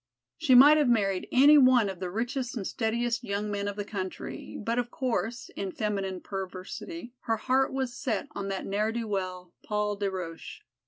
She might have married any one of the richest and steadiest young men of the country, but of course, in feminine perversity her heart was set on that ne'er do well, Paul des Roches.